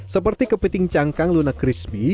seperti kepiting cakang lunak krispi